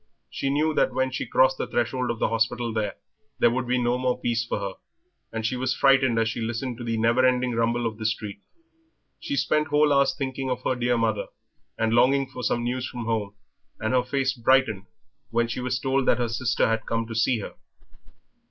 She knew that when she crossed the threshold of the hospital there would be no more peace for her; and she was frightened as she listened to the never ending rumble of the street. She spent whole hours thinking of her dear mother, and longing for some news from home, and her face brightened when she was told that her sister had come to see her.